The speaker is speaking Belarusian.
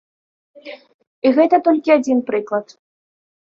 І гэта толькі адзін прыклад.